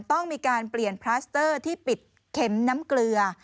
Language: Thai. ต้องมีการเปลี่ยนพลาสเตอร์ที่ปิดเข็มน้ำเกลือ